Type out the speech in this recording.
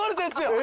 え！